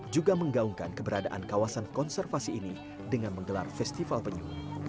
juga menggaungkan keberadaan kawasan konservasi ini dengan menggelar festival penyu